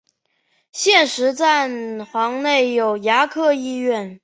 现时站房内有牙科医院。